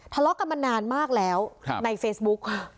ทะเลาะกันมานานมากแล้วในเฟซบุ๊คค่ะ